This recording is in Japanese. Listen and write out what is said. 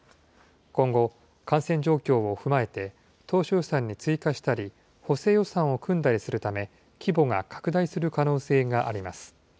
今後、感染状況を踏まえて、当初予算に追加したり、補正予算を組んだりするため、規模が拡大する可能性があります。